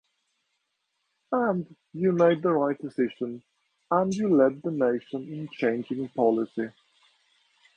And you made the right decision and you led the nation in changing policy.